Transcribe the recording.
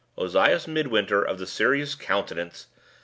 Ozias Midwinter of the serious countenance!